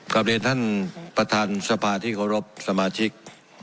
กับเรียนท่านประธานที่โกรภสมาชิก